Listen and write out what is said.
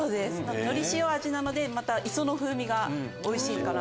のり塩味なので磯の風味がおいしいかな。